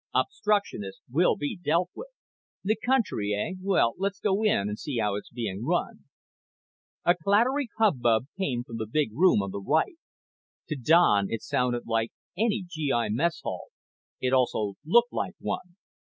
Obstructionists will be dealt with." "The country, eh? Well, let's go in and see how it's being run." A clattery hubbub came from the big room on the right. To Don it sounded like any GI mess hall. It also looked like one.